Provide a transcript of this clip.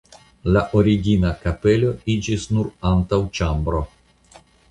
La origina kapelo iĝis nur antaŭĉambro.